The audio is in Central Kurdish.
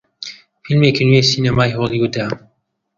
فیلمێکی نوێی سینەمای هۆلیوودە